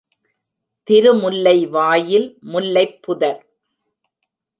திருமுல்லை வாயில் முல்லைப்புதர்.